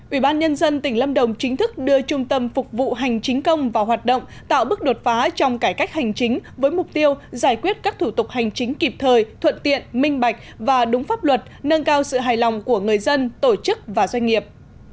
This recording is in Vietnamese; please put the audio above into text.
ủy ban nhân dân tỉnh lâm đồng chính thức đưa trung tâm phục vụ hành chính công vào hoạt động tạo bước đột phá trong cải cách hành chính với mục tiêu giải quyết các thủ tục hành chính kịp thời thuận tiện minh bạch và đúng pháp luật nâng cao sự hài lòng của người dân tổ chức và doanh nghiệp